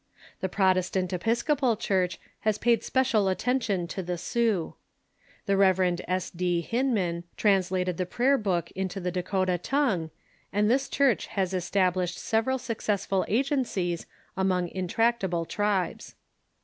The Protestant Episcopal Church has paid special attention to the Sioux. The Rev. S. D. Hinman translated the Prayer Book into the Dakota tongue, and this Church has es tablished several successful agencies among intractable tribes.